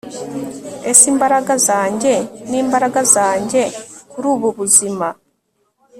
Ese imbaraga zanjye nimbaraga zanjye kuri ubu buzima